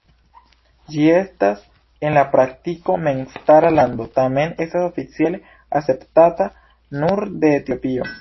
Ĝi estas en la praktiko memstara lando, tamen estas oficiale akceptata nur de Etiopio.